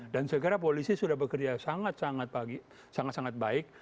dan sekarang polisi sudah bekerja sangat sangat baik